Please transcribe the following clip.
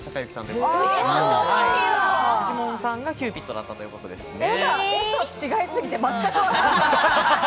フジモンさんがキューピッドだったということですね。